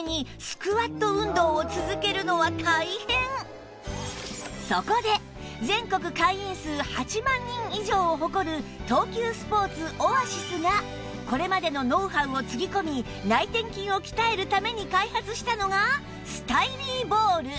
でもそこで全国会員数８万人以上を誇る東急スポーツオアシスがこれまでのノウハウをつぎ込み内転筋を鍛えるために開発したのがスタイリーボール